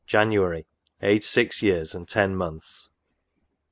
January, aged six years and ten months.